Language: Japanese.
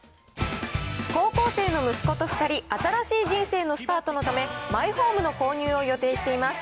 高校生の息子と２人、新しい人生のスタートのため、マイホームの購入を予定しています。